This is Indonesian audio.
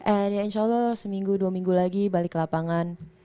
and ya insya allah seminggu dua minggu lagi balik ke lapangan